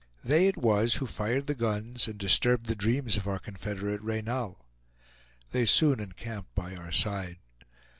They it was who fired the guns and disturbed the dreams of our confederate Reynal. They soon encamped by our side.